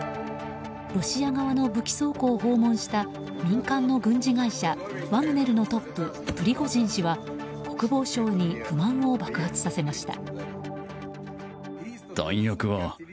ロシア側の武器倉庫を訪問した民間の軍事会社ワグネルのトッププリゴジン氏は国防省に不満を爆発させました。